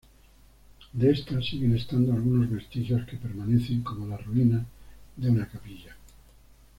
De esta siguen estando algunos vestigios que permanecen como las ruinas de una capilla.